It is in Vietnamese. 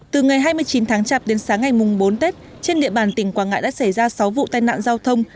từ ngày hai mươi chín tháng chạp đến sáng ngày mùng bốn tết trên địa bàn tỉnh quảng ngãi đã xảy ra sáu vụ tai nạn giao thông